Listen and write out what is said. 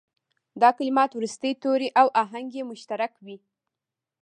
دا کلمات وروستي توري او آهنګ یې مشترک وي.